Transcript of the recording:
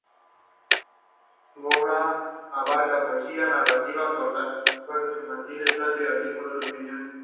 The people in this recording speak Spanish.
Su obra abarca poesía, narrativa corta, cuentos infantiles, teatro y artículos de opinión.